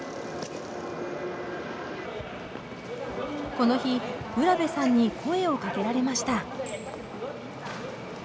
この日浦辺さんに声をかけられました。